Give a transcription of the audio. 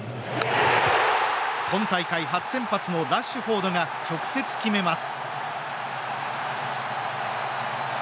今大会、初先発のラッシュフォードが直接決めます。